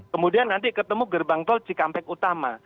kemudian nanti ketemu gerbang tol cikampek utama